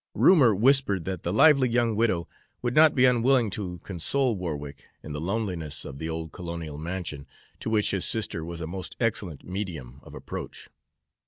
Rumor whispered that the lively young widow would not be unwilling to console Warwick in the loneliness of the old colonial mansion, to which his sister was a most excellent medium of approach.